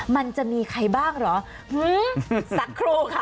มันจะมีใครบ้างเหรอสักครู่ค่ะ